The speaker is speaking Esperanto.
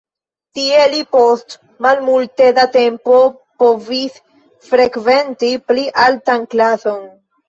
Tie li post malmulte da tempo povis frekventi pli altan klason.